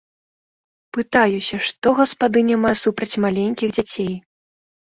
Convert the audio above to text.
Пытаюся, што гаспадыня мае супраць маленькіх дзяцей.